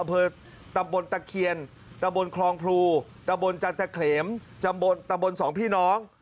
อเผิดตะบนตะเขียนตะบนคลองพรูตะบนจันทร์เขลมตะบนสองพี่น้อง